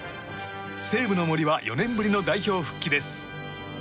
西武の森は４年ぶりの代表復帰です。